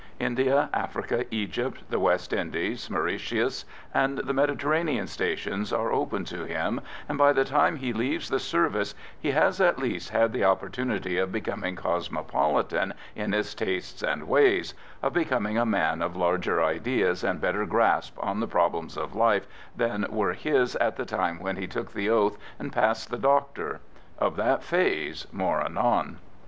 India, Africa, Egypt, the West Indies, Mauritius, and the Mediterranean stations are open to him, and by the time he leaves the service he has at least had the opportunity of becoming cosmopolitan in his tastes and ways of becoming a man of larger ideas and better grasp on the problems of life than were his at the time when he took the oath and passed the doctor. Of that phase, more anon.